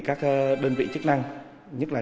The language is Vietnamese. các đơn vị chức năng nhất là